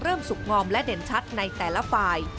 สุกงอมและเด่นชัดในแต่ละฝ่าย